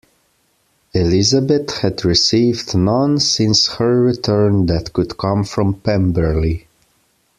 Elizabeth had received none since her return that could come from Pemberley.